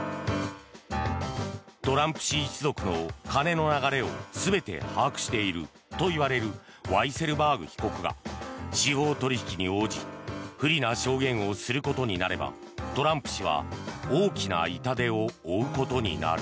トランプ氏一族の金の流れを全て把握しているといわれるワイセルバーグ被告が司法取引に応じ不利な証言をすることになればトランプ氏は大きな痛手を負うことになる。